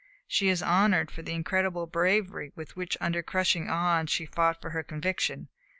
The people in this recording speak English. She is honored for the incredible bravery with which, under crushing odds, she fought for her conviction.